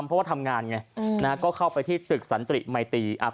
เพราะว่าทำงานไงนะฮะก็เข้าไปที่ตึกสันติมัยตี